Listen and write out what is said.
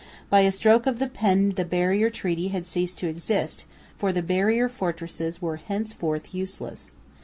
By a stroke of the pen the Barrier Treaty had ceased to exist, for the barrier fortresses were henceforth useless.